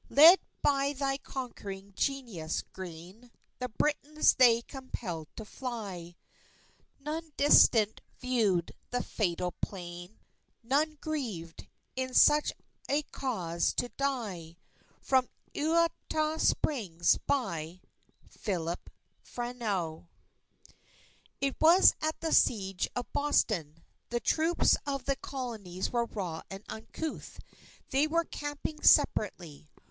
__Led by thy conquering genius, Greene, The Britons they compelled to fly; None distant viewed the fatal plain, None grieved, in such a cause to die._ From Eutaw Springs, by PHILIP FRENEAU It was at the Siege of Boston. The troops of the Colonies were raw and uncouth. They were camping separately.